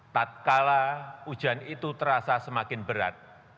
tak kala ujian itu terasa semakin berat